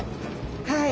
はい。